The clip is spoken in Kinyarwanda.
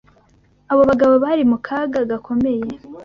ABO bagabo bari mu kaga gakomeye